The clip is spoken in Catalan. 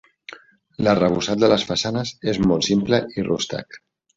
L'arrebossat de les façanes és molt simple i rústec.